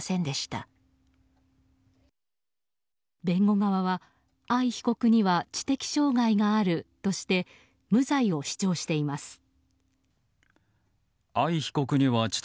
弁護側は、藍被告には知的障害があるとして無罪を主張しています。